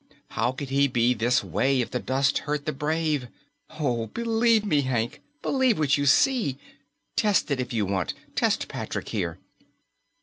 How could he be this way, if the dust hurt the brave? Oh, believe me, Hank! Believe what you see. Test it if you want. Test Patrick here."